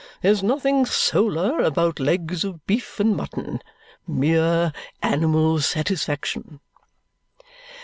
There's nothing solar about legs of beef and mutton. Mere animal satisfaction!"